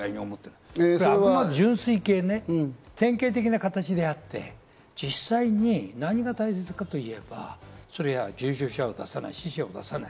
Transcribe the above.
まず純粋系、典型的な形であって、実際に何が大切かといえば、重症者を出さない、死者を出さない。